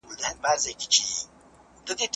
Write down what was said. ملکیار هوتک د خپل وخت یو مخلص او مینه ناک شاعر و.